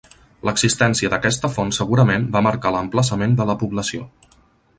L'existència d'aquesta font segurament va marcar l'emplaçament de la població.